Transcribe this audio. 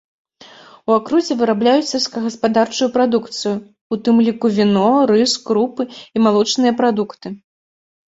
У акрузе вырабляюць сельскагаспадарчую прадукцыю, у тым ліку віно, рыс, крупы і малочныя прадукты.